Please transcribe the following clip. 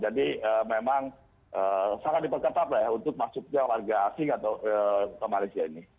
jadi memang sangat diperketap lah ya untuk masuknya warga asing ke malaysia ini